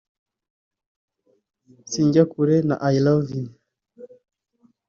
Sinjya kure na I love you